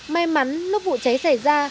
may mắn lúc vụ cháy xảy ra